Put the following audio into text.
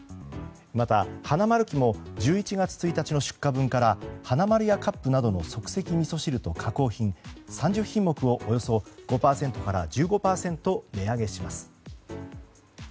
また、ハナマルキも１１月１日の出荷分からはなまる屋カップなどの即席みそ汁と加工品３０品目をおよそ５１５％値上げします。